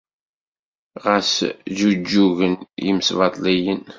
Ɣas ǧǧuǧǧugen yimesbaṭliyen.